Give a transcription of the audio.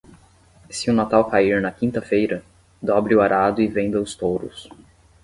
Se o Natal cair na quinta-feira, dobre o arado e venda os touros.